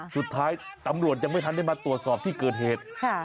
สุดท้ายตำรวจยังไม่ทันได้มาตรวจสอบที่เกิดเหตุ